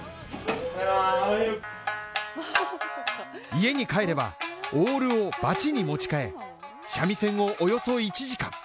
家に帰れば、オールをバチに持ち替え三味線をおよそ１時間。